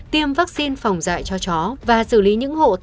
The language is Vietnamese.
tiêm vaccine phòng dạy cho chó